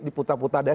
di putar putar deh